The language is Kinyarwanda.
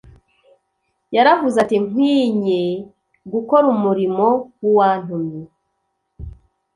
yaravuze ati :" Nkwinye gukora umurimo w'Uwantumye,